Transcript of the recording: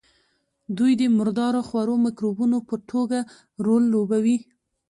دوی د مردار خورو مکروبونو په توګه رول لوبوي.